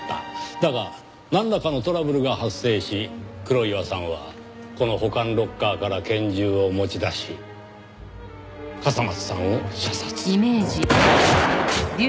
だがなんらかのトラブルが発生し黒岩さんはこの保管ロッカーから拳銃を持ち出し笠松さんを射殺。